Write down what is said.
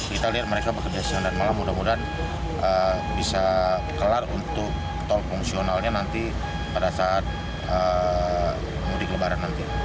kita lihat mereka bekerja siang dan malam mudah mudahan bisa kelar untuk tol fungsionalnya nanti pada saat mudik lebaran nanti